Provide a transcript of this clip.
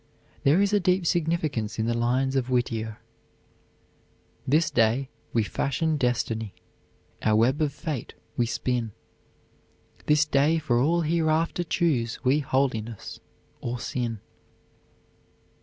There is a deep significance in the lines of Whittier: This day we fashion Destiny, our web of Fate we spin; This day for all hereafter choose we holiness or sin.